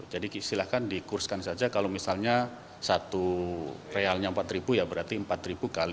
jadi silakan dikurskan saja kalau misalnya satu rialnya empat ya berarti empat x satu lima ratus rial